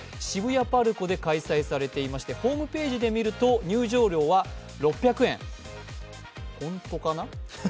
渋谷ＰＡＲＣＯで開催されていましてホームページで見ると、入場料は６００円、本当かな？